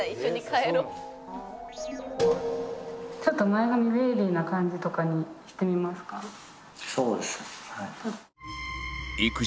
ちょっと前髪ウェイビーな感じとかにしてみますか？